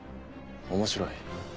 面白い。